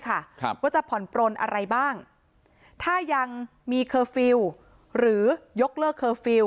ครับว่าจะผ่อนปลนอะไรบ้างถ้ายังมีเคอร์ฟิลล์หรือยกเลิกเคอร์ฟิลล